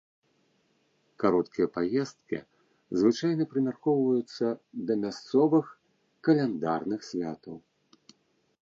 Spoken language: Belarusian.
Кароткія паездкі звычайна прымяркоўваюцца да мясцовых каляндарных святаў.